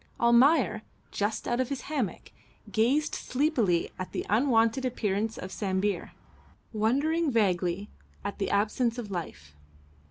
Almayer, just out of his hammock, gazed sleepily at the unwonted appearance of Sambir, wondering vaguely at the absence of life.